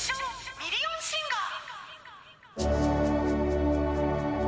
ミリオンシンガー・